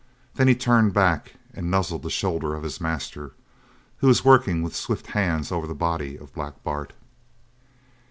Then he turned back and nuzzled the shoulder of his master, who was working with swift hands over the body of Black Bart.